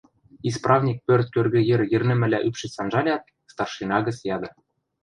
Исправник пӧрт кӧргӹ йӹр йӹрнӹмӹлӓ ӱпшӹц анжалят, старшина гӹц яды: